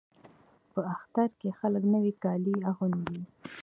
په اختر کې خلک نوي کالي اغوندي.